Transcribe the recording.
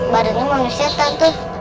badannya manusia tante